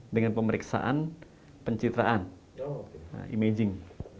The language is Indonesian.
dengan pemeriksaan pencitraan imaging